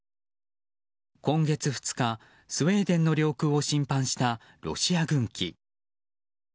今月２日、スウェーデンの領空を侵犯したロシア軍機。